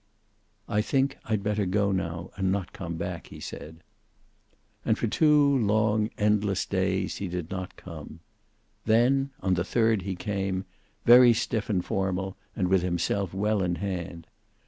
"I think I'd better go now, and not come back," he said. And for two long and endless days he did not come. Then on the third he came, very stiff and formal, and with himself well in hand.